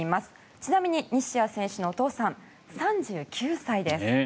ちなみに西矢選手のお父さん３９歳です。